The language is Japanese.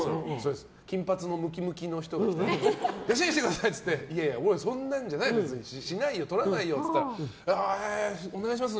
金髪のムキムキの人が来て弟子にしてくださいって言ってそんなんじゃないよしないよ、とらないよと言ったらえー、お願いします！